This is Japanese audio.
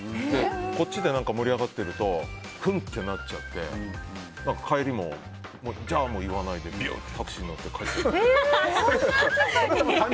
こっちで盛り上がってるとふん！ってなっちゃって、帰りもじゃあも言わないでタクシーに乗って帰って行ったりとか。